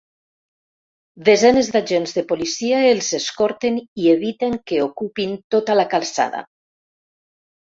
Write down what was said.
Desenes d’agents de policia els escorten i eviten que ocupin tota la calçada.